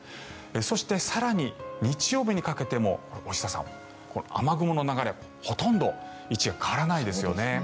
そして更に日曜日にかけても大下さん、雨雲の流れほとんど位置が変わらないですよね。